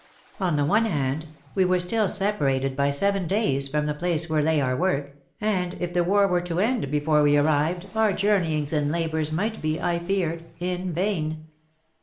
On the one hand, we were still separated by seven days from the place where lay our work, and if the war were to end before we arrived our journeyings and labours might be, I feared, in vain.